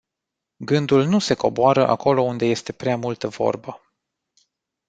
Gândul nu se coboară acolo unde este prea multă vorbă.